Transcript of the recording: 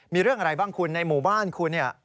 มีเรื่องอะไรบ้างคุณในหมู่บ้านคุณเนี่ย